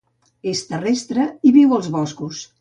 És terrestre i viu als boscos.